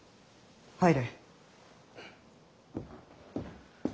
入れ。